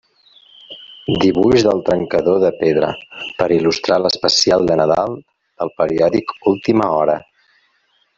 Dibuix del Trencador de Pedra, per il·lustrar l'especial de Nadal del periòdic Última Hora.